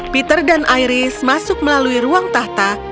peter dan iris masuk melalui ruang tahta